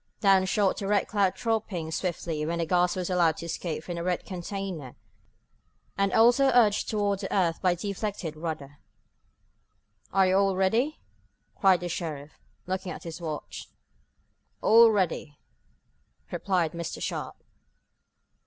Down shot the Red Cloud dropping swiftly when the gas was allowed to escape from the red container, and also urged toward the earth by the deflected rudder. "Are you all ready?" cried the sheriff, looking at his watch. "All ready," replied Mr. Sharp.